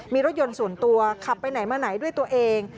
มีรถยนต์ส่วนตัวขับไปไหนมาไหนด้วยตัวเอง